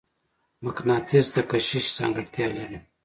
مقناطیس د کشش ځانګړتیا لري.